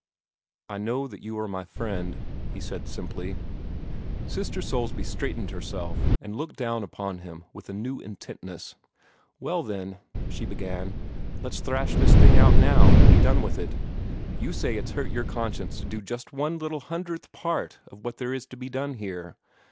"I know that you are my friend," he said simply. Sister Soulsby straightened herself, and looked down upon him with a new intentness. "Well, then," she began, "let's thrash this thing out right now, and be done with it. You say it's hurt your conscience to do just one little hundredth part of what there was to be done here.